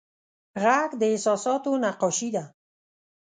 غږ د احساساتو نقاشي ده